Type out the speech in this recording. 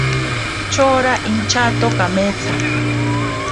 Yora inchato kametsa.